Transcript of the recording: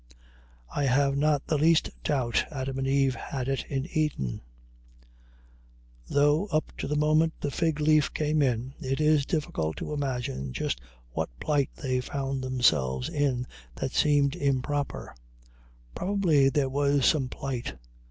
I have not the least doubt Adam and Eve had it in Eden; though, up to the moment the fig leaf came in, it is difficult to imagine just what plight they found themselves in that seemed improper; probably there was some plight.